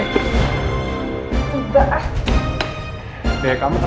gak ada apa apa